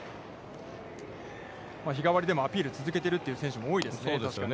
日がわりでもアピールを続けているという選手も多いですからね、確かに。